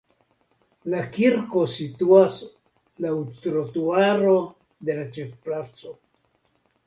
La kirko situas laŭ trotuaro de la ĉefplaco.